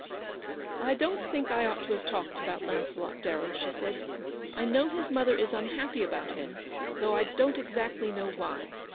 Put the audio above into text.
" I don't think I ought to have talked about Launcelot Darrell," she said ;" I know his mother is unhappy about him, though I don't exactly know why.